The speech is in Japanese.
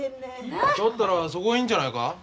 へえだったらそこがいいんじゃないか？